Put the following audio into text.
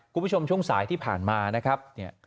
คุณผู้ชมช่วงสายที่ผ่านมานะครับ